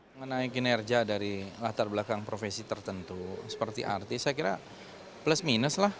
mengenai kinerja dari latar belakang profesi tertentu seperti artis saya kira plus minus lah